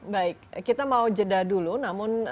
baik kita mau jeda dulu namun